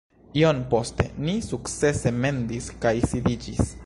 Iom poste, ni sukcese mendis kaj sidiĝis